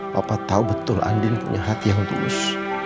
papa tahu betul andin punya hati yang tulus